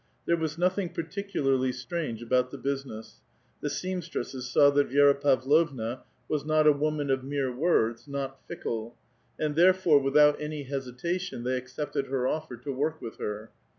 There was noth ing particularly strange about the business ; the seamstresses saw that Vi^ra Pavlovna was not a woman of mere woi ds, not fickle ; and therefore, without any hesitation they ac cepted her offer to work with her.